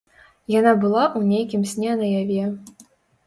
Яна была ў нейкім сне наяве.